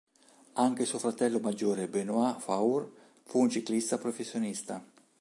Anche suo fratello maggiore Benoît Faure fu un ciclista professionista.